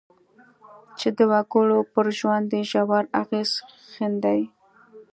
چې د وګړو پر ژوند یې ژور اغېز ښندي.